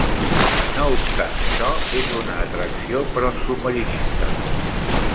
No obstant això, és una atracció per als submarinistes.